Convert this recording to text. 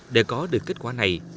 để có được kết quả này